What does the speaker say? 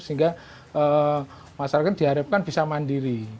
sehingga masyarakat diharapkan bisa mandiri